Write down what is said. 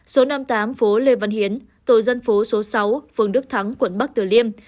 số năm mươi tám phố lê văn hiến tổ dân phố số sáu phường đức thắng quận bắc tử liêm